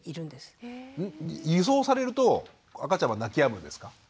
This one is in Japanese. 輸送されると赤ちゃんは泣きやむんですか？